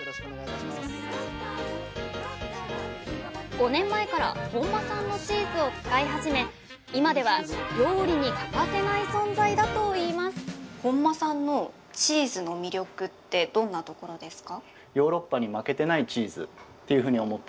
５年前から本間さんのチーズを使い始め今では料理に欠かせない存在だと言います本間さんのチーズの魅力ってどんなところですか？